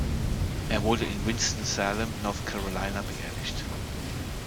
Er wurde in Winston-Salem, North Carolina beerdigt.